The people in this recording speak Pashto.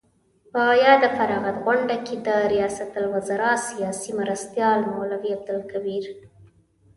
په یاده فراغت غونډه کې د ریاست الوزراء سیاسي مرستیال مولوي عبدالکبیر